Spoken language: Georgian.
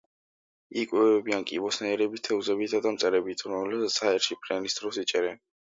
იკვებებიან კიბოსნაირებით, თევზებითა და მწერებით, რომლებსაც ჰაერში ფრენის დროს იჭერენ.